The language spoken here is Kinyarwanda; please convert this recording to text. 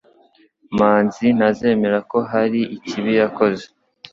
Manzi ntazemera ko hari ikibi yakoze.